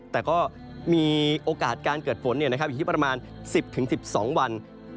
แต่ก็มีโอกาสการเกิดฝนเนี่ยนะครับอยู่ที่ประมาณ๑๐๑๒วัน